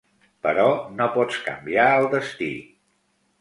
Però no pots canviar el destí.